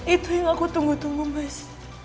itu yang aku tunggu tunggu mas